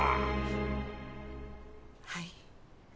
はい。